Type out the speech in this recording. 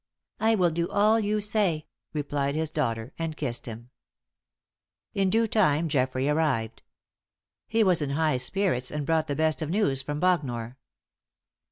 "I will do all you say," replied his daughter, and kissed him. In due time Geoffrey arrived. He was in high spirits and brought the best of news from Bognor.